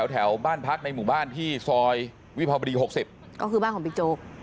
แถวบ้านพักในหมู่บ้านที่ซอยวิภาวดี๖๐ก็คือบ้านของบิ๊กโจ๊ก